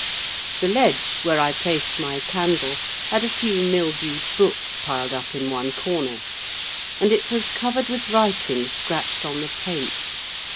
The ledge, where I placed my candle, had a few mildewed books piled up in one corner; and it was covered with writing scratched on the paint.